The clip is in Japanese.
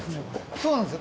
そうなんですよ。